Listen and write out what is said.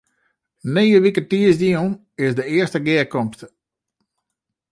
Nije wike tiisdeitejûn is de earste gearkomste.